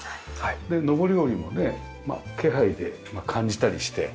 で上り下りもね気配で感じたりして。